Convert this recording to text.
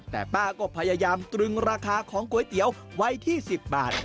แต่ป้าก็พยายามตรึงราคาของก๋วยเตี๋ยวไว้ที่๑๐บาท